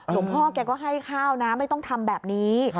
หลวงพ่อแกก็ให้ข้าวนะไม่ต้องทำแบบนี้